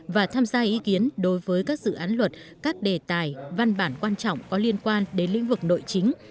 và tham gia ý kiến đối với các dự án luật các đề tài văn bản quan trọng có liên quan đến lĩnh vực nội chính